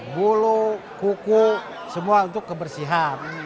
bulog kuku semua untuk kebersihan